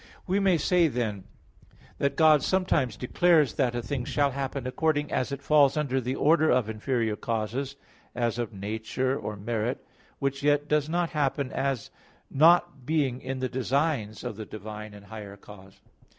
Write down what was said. We may say, then, that God sometimes declares that a thing shall happen according as it falls under the order of inferior causes, as of nature, or merit, which yet does not happen as not being in the designs of the divine and higher cause.